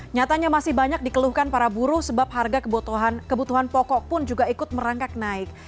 nyatanya masih banyak dikeluhkan para buruh sebab harga kebutuhan pokok pun juga ikut merangkak naik